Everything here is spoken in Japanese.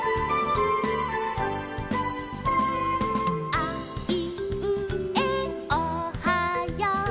「あいうえおはよう」